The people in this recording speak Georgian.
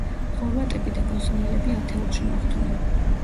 ხორვატები და ბოსნიელები ათეულში მოხვდნენ.